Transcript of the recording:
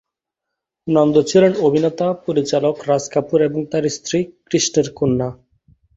নন্দ ছিলেন অভিনেতা-পরিচালক রাজ কাপুর এবং তাঁর স্ত্রী কৃষ্ণের কন্যা।